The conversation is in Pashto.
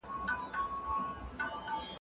د شپې لخوا ماشومانو ته خواږه مه ورکوئ.